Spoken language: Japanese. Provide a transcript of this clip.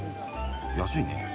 安いね。